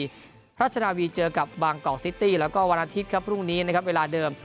รัชนาวีเจอกับบางกอกซิตี้แล้วก็วันอาทิตย์ครับพรุ่งนี้นะครับเวลาเดิม